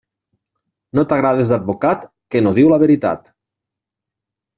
No t'agrades d'advocat, que no diu la veritat.